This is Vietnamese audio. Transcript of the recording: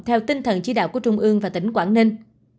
theo tinh thần chỉ đạo của trung ương và tỉnh quảng ninh